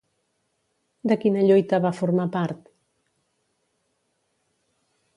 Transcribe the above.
De quina lluita va formar part?